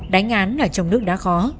đánh án ở trong nước đã khó